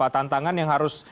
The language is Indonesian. tantangan yang harus